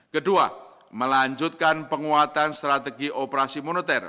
kedua melanjutkan penguatan strategi operasi moneter